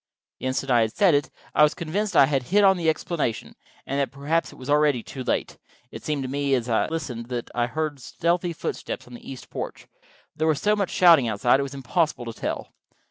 The instant I had said it I was convinced I had hit on the explanation, and that perhaps it was already too late. It seemed to me as I listened that I heard stealthy footsteps on the east porch, but there was so much shouting outside that it was impossible to tell.